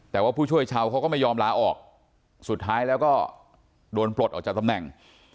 แต่ว่าผู้ช่วยชาวเขาก็ไม่ยอมลาออกสุดท้ายแล้วก็โดนปลดออกจากตำแหน่ง